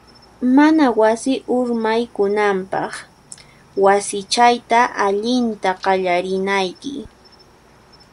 Mana wasi urmaykunanpaq, wasichayta allinta qallarinayki.